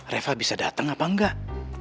reva bisa datang apa enggak